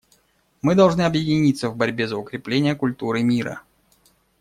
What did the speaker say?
Мы должны объединиться в борьбе за укрепление культуры мира.